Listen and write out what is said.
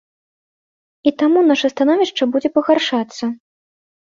І таму нашае становішча будзе пагаршацца.